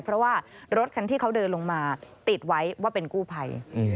เพราะว่ารถคันที่เขาเดินลงมาติดไว้ว่าเป็นกู้ภัย